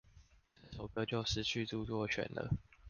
這首歌就失去著作權了